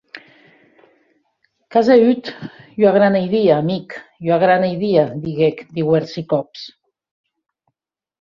Qu’as auut ua grana idia, amic, ua grana idia, didec diuèrsi còps.